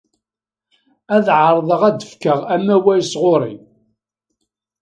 Ad ɛerḍeɣ ad d-fkeɣ amaway sɣur-i.